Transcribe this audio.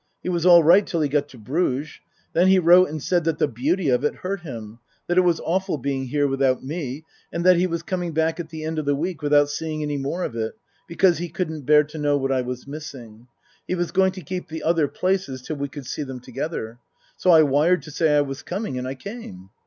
He was all right till he got to Bruges. Then he wrote and said that the beauty of it hurt him, that it was awful being here without me, and that he was coming back at the end of the week without seeing any more of it, because he couldn't bear to know what I was missing. He was going to keep the other places till we could see them together. So I wired to say I was coming, and I came."